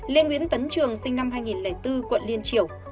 lê nguyễn tấn trường sinh năm hai nghìn bốn quận liên triều